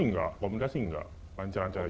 enggak komunikasi enggak